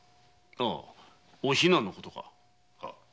「お比奈」のことか？